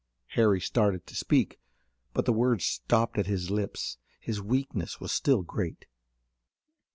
Harry started to speak, but the words stopped at his lips. His weakness was still great.